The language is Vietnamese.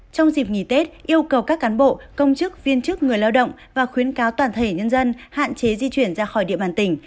trong dịp nghỉ tết yêu cầu các cán bộ công chức viên chức người lao động và khuyến cáo toàn thể nhân dân hạn chế di chuyển ra khỏi địa bàn tỉnh